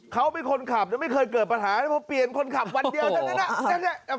เขามีคนขับไม่เคยเกิดปัญหาหรือเปลี่ยนคนขับวันเดียวนะสังเงิน